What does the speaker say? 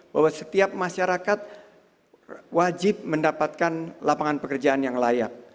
bahwa setiap masyarakat wajib mendapatkan lapangan pekerjaan yang layak